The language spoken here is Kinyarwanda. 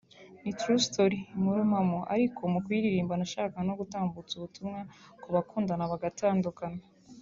ni true story [inkuru mpamo] ariko mu kuyiririmba nashakaga no gutambutsa ubutumwa ku bakundana bagatandukana